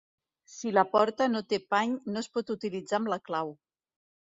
Si la porta no té pany, no es pot utilitzar amb la clau.